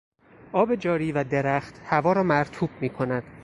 آب جاری و درخت هوا را مرطوب میکند.